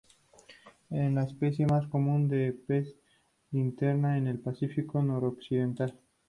Es la especie más común de pez linterna en el Pacífico noroccidental.